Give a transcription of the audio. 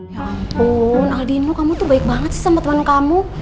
ya ampun aldino kamu tuh baik banget sih sama teman kamu